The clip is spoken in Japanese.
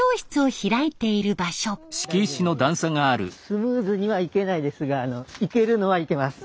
スムーズには行けないですが行けるのは行けます。